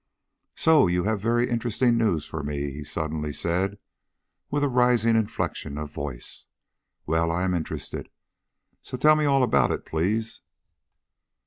"So you have very interesting news for me?" he suddenly said with a rising inflection of voice. "Well, I am interested. So tell me all about it, please?"